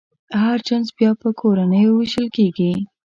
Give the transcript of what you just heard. هر جنس بیا په کورنیو وېشل کېږي.